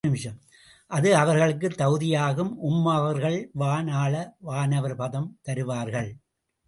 அது அவர்களுக்குத் தகுதியாகும் உம்மவர்கள் வான் ஆள வானவர் பதம் தருவார்கள்.